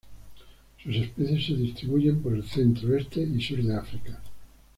Sus especies se distribuyen por el centro, este y sur de África.